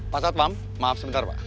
pak satpam maaf sebentar pak